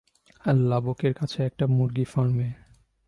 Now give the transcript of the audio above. লাবকের কাছে এক মুরগীর ফার্মে।